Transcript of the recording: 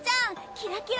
キラキラ！